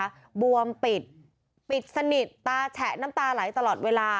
ตาขวาเธอเห็นไหมคะบวมปิดปิดสนิทตาแฉะน้ำตาไหลตลอดเวลา